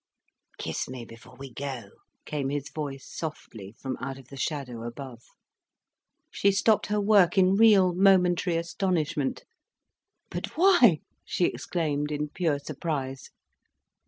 "Kiss me before we go," came his voice softly from out of the shadow above. She stopped her work in real, momentary astonishment. "But why?" she exclaimed, in pure surprise.